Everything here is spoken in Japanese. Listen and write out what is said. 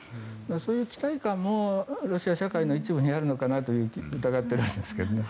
そういう期待感もロシア社会の一部にあるのかなと疑ってるんですけどね。